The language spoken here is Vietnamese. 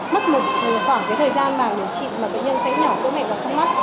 mất một khoảng thời gian mà bệnh nhân sẽ nhỏ sữa mẹ vào trong mắt